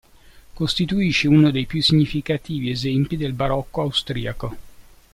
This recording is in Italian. Costituisce uno dei più significativi esempi del barocco austriaco.